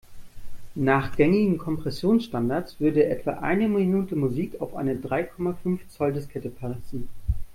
Nach gängigen Kompressionsstandards würde etwa eine Minute Musik auf eine drei Komma fünf Zoll-Diskette passen.